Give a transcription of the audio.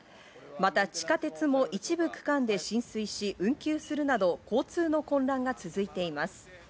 また地下鉄も一部区間で浸水し、運休するなど交通の混乱が続いています。